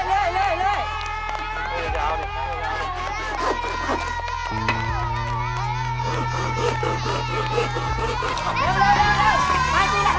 หมายจริงเลยทำเลยครับ